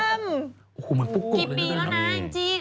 อู้หูเหมือนฟุกโกะเลยนะจริง